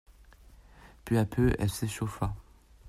Peu à peu, elle s'échauffa.